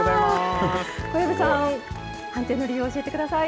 小籔さん判定の理由を教えてください。